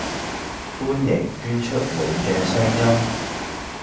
歡迎捐出您既聲音